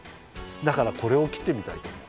だからこれをきってみたいとおもう。